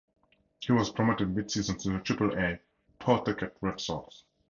He was promoted midseason to the Triple-A Pawtucket Red Sox.